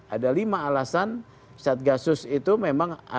ada lima alasan satgasus itu memang harus dievaluasi